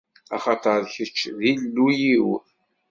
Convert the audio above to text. Axaṭer kečč, d Illu-iw!